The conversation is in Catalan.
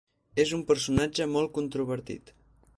És un personatge molt controvertit.